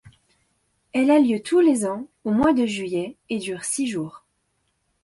Elle a lieu tous les ans au mois de juillet et dure six jours.